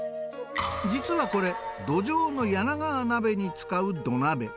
実はこれ、土壌の柳川鍋に使う土鍋。